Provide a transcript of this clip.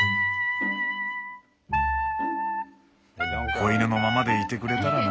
子犬のままでいてくれたらな。